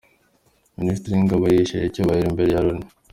Minisiteri yingabo yihesheje icyubahiro imbere ya loni